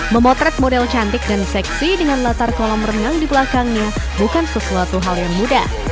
memotret model cantik dan seksi dengan latar kolam renang di belakangnya bukan sesuatu hal yang mudah